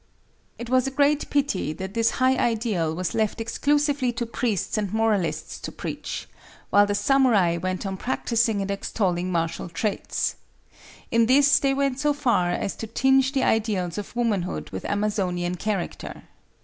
It was a great pity that this high ideal was left exclusively to priests and moralists to preach, while the samurai went on practicing and extolling martial traits. In this they went so far as to tinge the ideals of womanhood with Amazonian character.